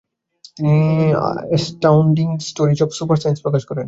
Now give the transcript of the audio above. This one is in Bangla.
তিনি অ্যাস্টাউন্ডিং স্টোরিজ অফ সুপার-সায়েন্স প্রকাশ করেন।